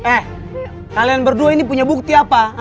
eh kalian berdua ini punya bukti apa